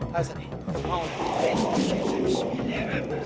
tak ada gue